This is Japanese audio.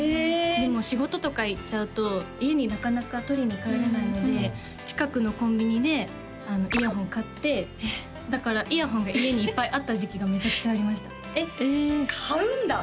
でも仕事とか行っちゃうと家になかなか取りに帰れないので近くのコンビニでイヤホン買ってだからイヤホンが家にいっぱいあった時期がめちゃくちゃありましたえっ買うんだ？